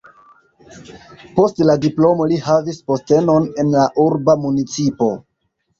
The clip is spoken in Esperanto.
Post la diplomo li havis postenon en la urba municipo.